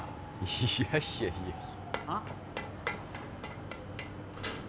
いやいやいやあっ？